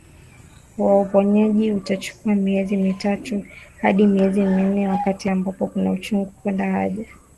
wa uponyaji utachukua miezi mitatu hadi miezi minne wakati ambao kuna uchungu kwenda haja